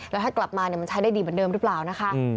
แล้วถ้ากลับมามันใช้ได้ดีเหมือนเดิมหรือเปล่านะคะ